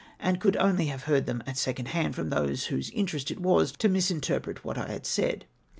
and could only have heard them at second hand from those whose interest it was to misrepresent what I had said.